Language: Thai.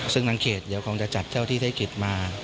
ซึ่งทางเขตก็จะจัดเจ้าหน้าที่เทศกิจมา